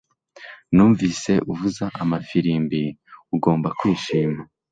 Numvise uvuza amafirimbi Ugomba kwishima